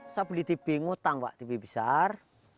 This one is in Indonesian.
saya beli tv ngutang pak tv besar